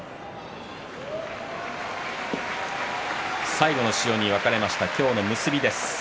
最後の塩に分かれました今日の結び。